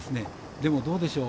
でも、どうでしょう。